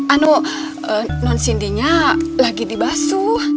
anu nonsindinya lagi dibasu